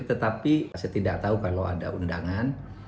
tetapi saya tidak tahu kalau ada undangan